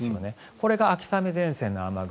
これが秋雨前線の雨雲